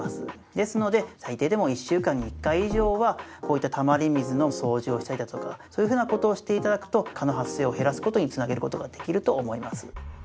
ですので最低でも１週間に１回以上はこういったたまり水の掃除をしたりだとかそういうふうな事をして頂くと蚊の発生を減らす事に繋げる事ができると思います。